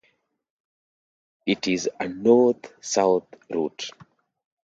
It is a north-south route.